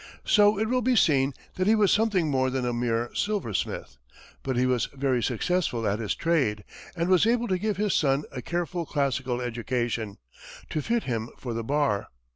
So it will be seen that he was something more than a mere silversmith; but he was very successful at his trade, and was able to give his son a careful classical education, to fit him for the bar.